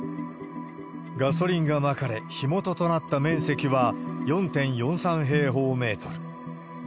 ガソリンがまかれ、火元となった面積は４．４３平方メートル。